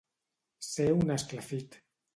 Ser un esclafit.